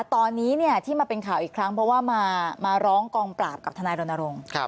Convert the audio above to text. ตอนนี้ที่มาเป็นข่าวอีกครั้งเพราะว่ามาร้องกองปราบกับทนายรณรงค์